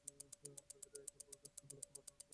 আপনাদেরকে একটু দূরত্ব বজায় রাখার অনুরোধ করছি।